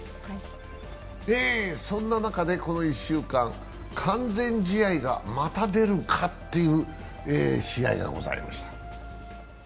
そんな中でこの１週間完全試合がまた出るかという試合がありました。